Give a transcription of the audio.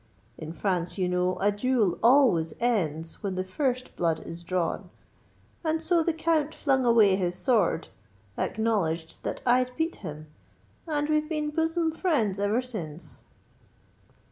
In France, you know, a duel always ends when the first blood is drawn; and so the Count flung away his sword, acknowledged that I'd beat him, and we've been bosom friends ever since."